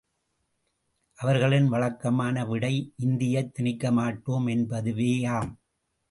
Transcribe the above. அவர்களின் வழக்கமான விடை, இந்தியைத் திணிக்கமாட்டோம் என்பதுவேயாம்.